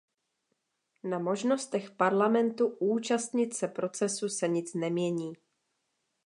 Na možnostech Parlamentu účastnit se procesu se nic nemění.